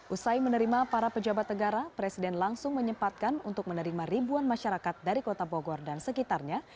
usai menerima para pejabat negara presiden langsung menyempatkan untuk menerima ribuan masyarakat dari kota bogor dan sekitarnya